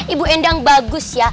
ibu endang bagus ya